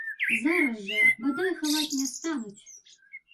Зараз жа, бадай, хаваць не стануць.